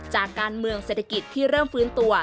จากการเมืองเศรษฐกิจที่เริ่มฟื้นตัว